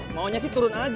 maunya sih turun aja